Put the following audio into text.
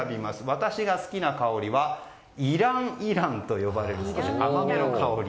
私が好きな香りはイランイランと呼ばれる甘めの香り。